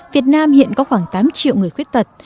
việt nam hiện có khoảng tám triệu người khuyết tật